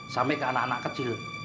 sampai ke anak anak kecil